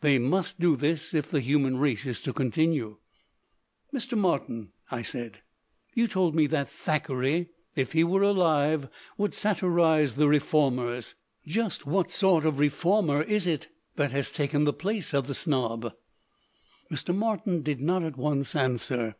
They must do this if the human race is to con tinue." "Mr. Martin," I said, "you told me that Thackeray, if he were alive, would satirize the reformers. Just what sort of reformer is it that has taken the place of the snob?" Mr. Martin did not at once answer.